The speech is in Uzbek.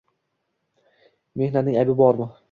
Mehnatning aybi bormi?